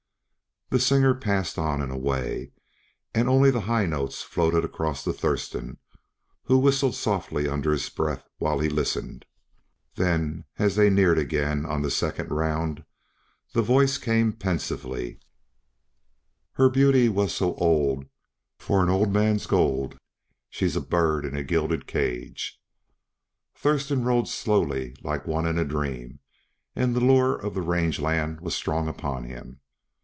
The singer passed on and away, and only the high notes floated across to Thurston, who whistled softly under his breath while he listened. Then, as they neared again on the second round, the words came pensively: "Her beauty was so o old For an old man's go o old, She's a bird in a gilded ca a age." Thurston rode slowly like one in a dream, and the lure of the range land was strong upon him.